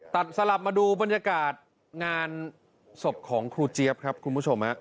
สลับมาดูบรรยากาศงานศพของครูเจี๊ยบครับคุณผู้ชม